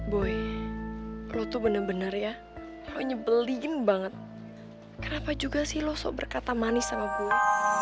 boy lu tuh bener bener ya mau nyebelin banget kenapa juga sih lo sok berkata manis sama gue